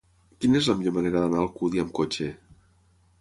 Quina és la millor manera d'anar a Alcúdia amb cotxe?